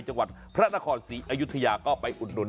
จังหวัดพระนครศรีอยุธยาก็ไปอุดหนุน